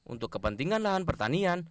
untuk kepentingan lahan pertanian